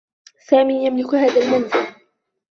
سامي يملك هذا المنزل.